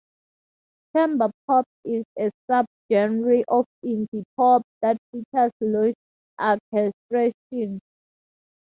Chamber pop is a subgenre of indie pop that features lush orchestrations.